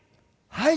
はい。